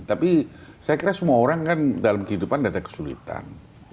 tapi saya kira semua orang kan dalam kehidupan ada kesulitan